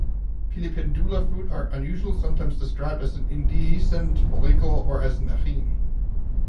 "Filipendula" fruit are unusual, sometimes described as an indehiscent follicle, or as an achene.